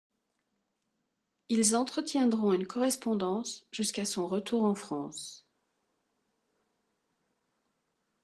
Ils entretiendront une correspondance jusqu'à son retour en France.